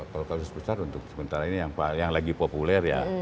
kalau kasus besar untuk sementara ini yang lagi populer ya